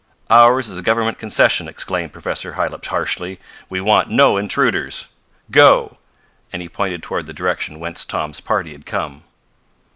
"Ours is a government concession!" exclaimed Professor Hylop harshly. "We want no intruders! Go!" and he pointed toward the direction whence Tom's party had come.